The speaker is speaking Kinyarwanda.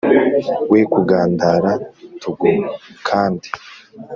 We kugandara tugukande